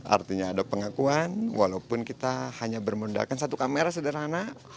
artinya ada pengakuan walaupun kita hanya bermundalkan satu kamera sederhana